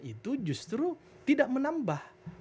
itu justru tidak menambah